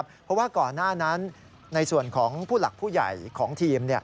เพราะว่าก่อนหน้านั้นในส่วนของผู้หลักผู้ใหญ่ของทีม